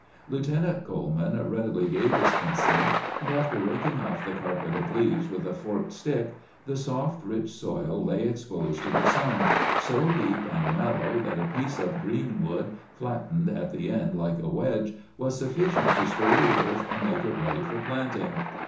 Lieutenant Coleman readily gave his consent; and, after raking off the carpet of leaves with a forked stick, the soft, rich soil lay exposed to the sun, so deep and mellow that a piece of green wood, flattened at the end like a wedge, was sufficient to stir the earth and make it ready for planting.